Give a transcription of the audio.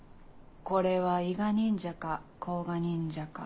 これは伊賀忍者か甲賀忍者か。